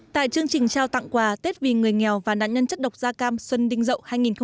tại chương trình trao tặng quà tết vì người nghèo và nạn nhân chất độc da cam xuân đinh dậu hai nghìn một mươi chín